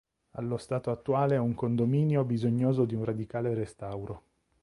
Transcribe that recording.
Allo stato attuale è un condominio bisognoso di un radicale restauro.